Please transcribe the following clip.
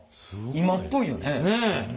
今っぽいよね。ね！